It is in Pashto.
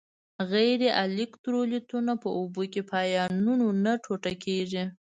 غیر الکترولیتونه په اوبو کې په آیونونو نه ټوټه کیږي.